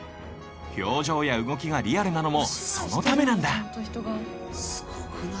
表情や動きがリアルなのもそのためなんだすごくない？